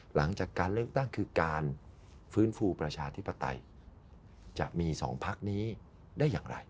หลังจากการเลือกตั้งคือการฟื้นฟูประชาธิปไตยจะมี๒พักนี้ได้อย่างไร